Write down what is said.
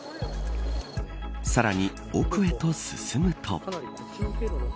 さらに奥へと進むと。